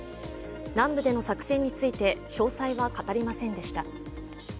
南部での作戦について詳細は語りませんでした。